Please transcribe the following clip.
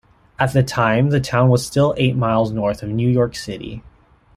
At the time the town was still eight miles north of New York City.